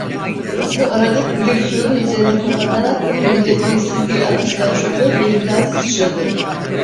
Bu aralık direksiyonun üzerine kapanarak bir müddet kestirdiği anlaşılan şoför yerinden sıçradı.